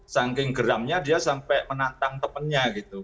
saking geramnya dia sampai menantang temennya gitu